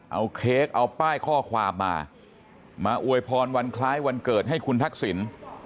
เอาเค้กเอาป้ายข้อความมามาอวยพรวันคล้ายวันเกิดให้คุณทักษิณ